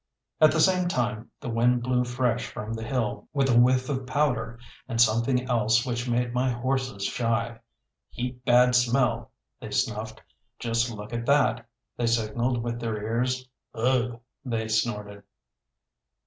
At the same time the wind blew fresh from the hill, with a whiff of powder, and something else which made my horses shy. "Heap bad smell!" they snuffed. "Just look at that!" they signalled with their ears. "Ugh!" they snorted.